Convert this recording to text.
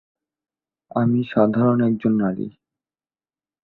আমি সাধারণ একজন নারী।